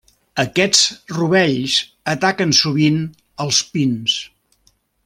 Aquests rovells ataquen sovint als pins.